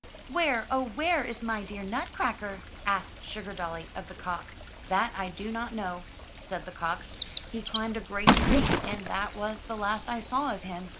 ''Where, oh, where is my dear Nutcracker?" asked Sugardolly of the cock. 'That I do not know," said the cock. "He climbed a great tree, and that was the last I saw of him."